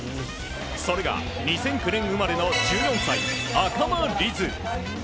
それが２００９年生まれの１４歳赤間凛音。